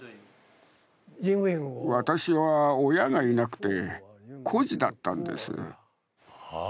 私は親がいなくて、孤児だったんです。